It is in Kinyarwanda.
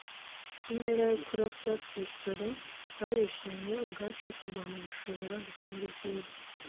intera yo kurasa pistolet, twarishimye ubwacu tugomba gushobora gutanga ibyiza